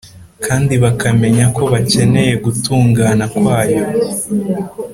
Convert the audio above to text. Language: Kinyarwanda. kandi bakamenya ko bakeneye gutungana kwayo